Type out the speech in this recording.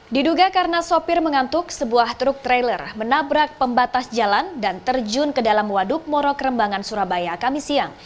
diduga karena sopir mengantuk sebuah truk trailer menabrak pembatas jalan dan terjun ke dalam waduk morok rembangan surabaya kami siang